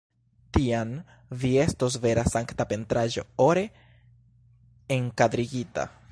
Tiam vi estos vera sankta pentraĵo, ore enkadrigita!